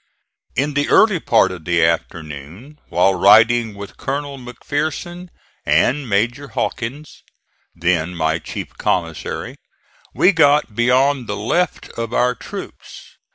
In the early part of the afternoon, while riding with Colonel McPherson and Major Hawkins, then my chief commissary, we got beyond the left of our troops.